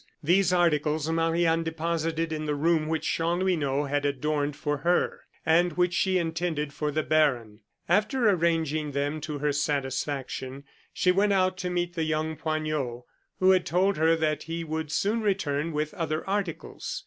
These articles Marie Anne deposited in the room which Chanlouineau had adorned for her, and which she intended for the baron. After arranging them to her satisfaction she went out to meet young Poignot, who had told her that he would soon return with other articles.